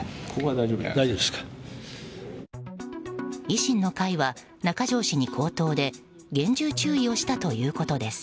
維新の会は中条氏に口頭で厳重注意をしたということです。